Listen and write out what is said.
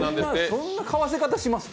そんな買わせ方します？